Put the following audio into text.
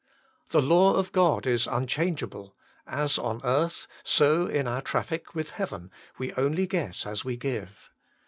The law of God is unchangeable: as on earth, so in our traffic with heaven, we only get as we give.